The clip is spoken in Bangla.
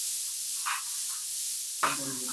ওর গলার স্বর বসে গেছে!